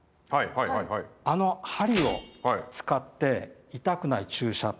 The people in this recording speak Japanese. あの針を使って痛くない注射。